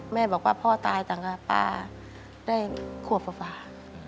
แม่บอกว่าพ่อตายต่างป้าได้ขวบฟ้า